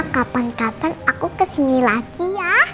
kapan kapan aku kesini lagi ya